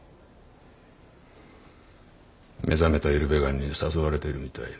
目覚めたイルベガンに誘われてるみたいで。